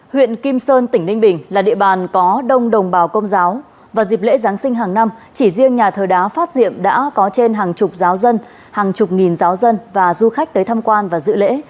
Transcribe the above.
huyện kim sơn tỉnh ninh bình là địa bàn có đông đồng bào công giáo vào dịp lễ giáng sinh hàng năm chỉ riêng nhà thờ đá phát diệm đã có trên hàng chục giáo dân hàng chục nghìn giáo dân và du khách tới tham quan và dự lễ